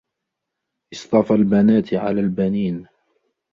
أَصْطَفَى الْبَنَاتِ عَلَى الْبَنِينَ